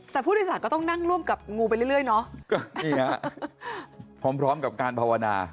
แต่ผู้เด็กสารก็ต้องนั่งร่วมกับงูไปเรื่อยเนาะพร้อมกับการภาวนา